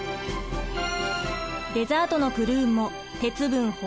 デザートのプルーンも鉄分豊富。